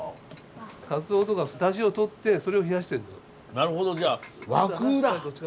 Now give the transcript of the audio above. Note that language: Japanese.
なるほどじゃあ和風だ。